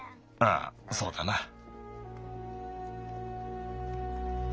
ああそうだな。